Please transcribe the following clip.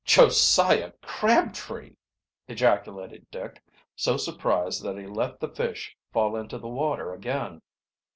"Josiah Crabtree!" ejaculated Dick, so surprised that he let the fish fall into the water again.